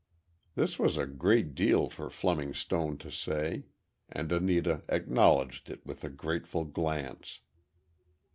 This was a great deal for Fleming Stone to say, and Anita acknowledged it with a grateful glance.